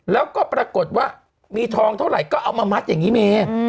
แล้วก็ปรากฏว่ามีทองเท่าไหร่ก็เอามามัดอย่างนี้เม